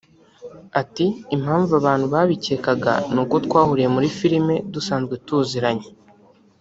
Ati ” Impamvu abantu babikekaga ni uko twahuriye muri filime dusanzwe tuziranye